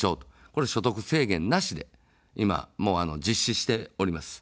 これは所得制限なしで、今も実施しております。